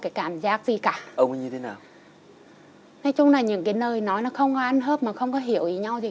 cái cảm giác gì cả ông như thế nào ở những cái nơi nó nó không an hợp mà không có hiểu ý nhau thì